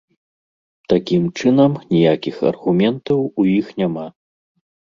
Такім чынам, ніякіх аргументаў у іх няма.